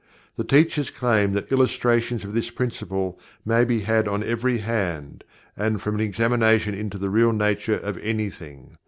The teachers claim that illustrations of this Principle may be had on every hand, and from an examination into the real nature of anything.